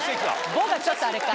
「ボ」がちょっとあれか。